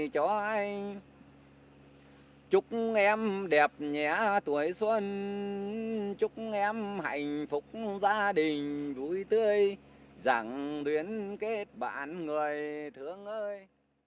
chúc em đẹp nhé tuổi xuân chúc em hạnh phúc gia đình vui tươi rằng tuyến kết bạn người thương ơi